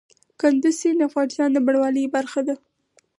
کندز سیند د افغانستان د بڼوالۍ برخه ده.